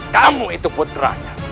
kamu itu putranya